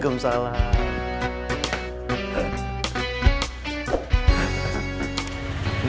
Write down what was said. terima kasih pak